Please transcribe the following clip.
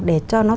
để cho nó tốt hơn